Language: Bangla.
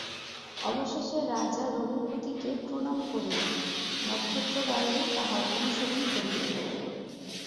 অবশেষে রাজা রঘুপতিকে প্রণাম করিলেন, নক্ষত্ররায়ও তাঁহার অনুসরণ করিলেন।